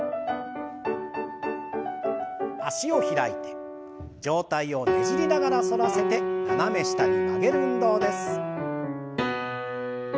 脚を開いて上体をねじりながら反らせて斜め下に曲げる運動です。